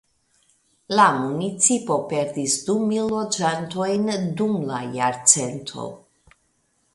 La municipo perdis du mil loĝantojn dum la jarcento.